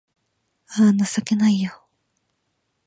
あぁ、情けないよ